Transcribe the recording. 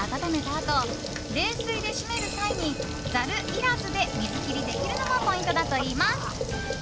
あと冷水で締める際にざるいらずで水切りできるのもポイントだといいます。